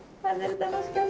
楽しかった。